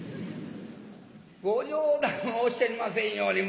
「ご冗談をおっしゃりませんように。